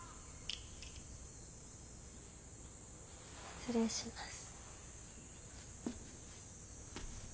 失礼します。